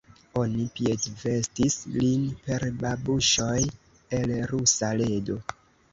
Oni piedvestis lin per babuŝoj el Rusa ledo.